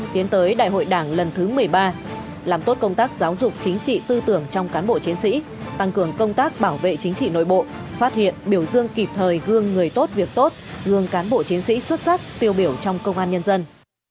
tiến tới đại hội đảng lần thứ một mươi ba làm tốt công tác giáo dục chính trị tư tưởng trong cán bộ chiến sĩ tăng cường công tác bảo vệ chính trị nội bộ phát hiện biểu dương kịp thời gương người tốt việc tốt gương cán bộ chiến sĩ xuất sắc tiêu biểu trong công an nhân dân